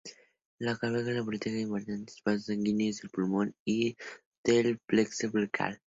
La clavícula protege importantes vasos sanguíneos, el pulmón y del plexo braquial.